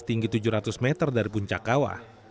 setinggi tujuh ratus meter dari puncak kawah